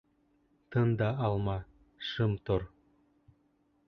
Тын да алма, шым тор.